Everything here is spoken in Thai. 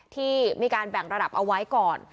ที่มีการแบ่งระดับเอาไว้ก่อน